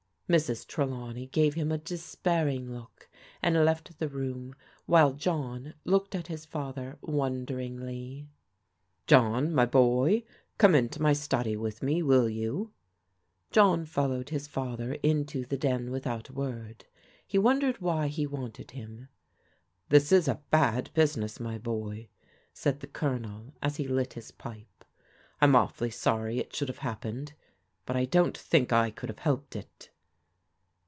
Mrs. Trelawney gave him a despairing look, and left the room, while John looked at his father wonder ingly. "John, my boy, come into my study with me, will you?" John followed his father into The Den without a word. He wondered why he wanted him. " This is a bad business, my boy," said the Colonel as he lit his pipe. " I'm awfully sorry it should have hap pened, but I don't think I could have helped it.'